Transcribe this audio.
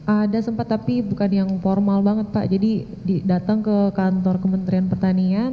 ada sempat tapi bukan yang formal banget pak jadi datang ke kantor kementerian pertanian